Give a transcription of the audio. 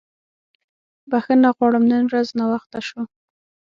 بښنه غواړم نن ورځ ناوخته شو.